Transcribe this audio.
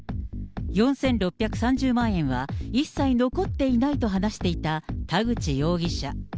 ４６３０万円は一切残っていないと話していた田口容疑者。